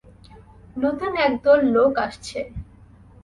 নতুন এক দল লোক আসছে।